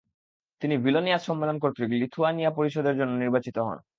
তিনি ভিলনিয়াস সম্মেলন কর্তৃক লিথুয়ানিয়া পরিষদের জন্য নির্বাচিত হন।